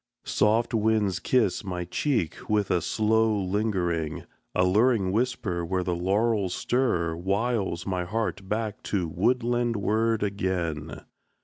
Soft winds kiss My cheek with a slow lingering. A luring whisper where the laurels stir Wiles my heart back to woodland ward again.